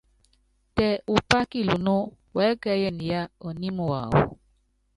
Tɛ upá kilunú, uɛ́kɛ́yɛnɛ yá ɔními wawɔ.